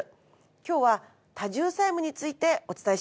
今日は多重債務についてお伝えします。